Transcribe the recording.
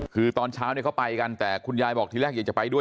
คือตอนเช้าเนี่ยเขาไปกันแต่คุณยายบอกทีแรกอยากจะไปด้วย